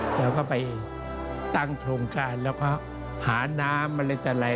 แล้วก็ไปตั้งโครงการแล้วก็หาน้ำอะไรแต่ไร